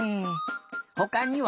ほかには？